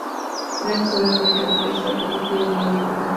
Frank se da cuenta de que se ha convertido en una víctima.